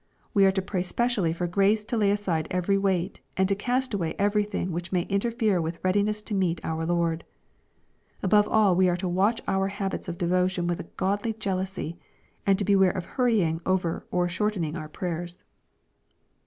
We are to pray specially for grace to lay aside every weight, and to cast away everything which may interfere with readiness to meet our Lord. Above all we are to watch our habits of devotion with a godly jealousy, and to beware of hurrying over or short ening our prayers.